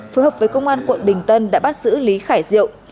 phối hợp với công an quận bình tân đã bắt giữ lý khải diệu